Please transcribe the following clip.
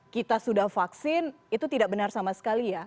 kita sudah vaksin itu tidak benar sama sekali ya